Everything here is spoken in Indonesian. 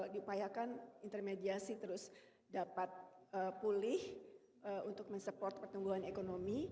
diupayakan intermediasi terus dapat pulih untuk mensupport pertumbuhan ekonomi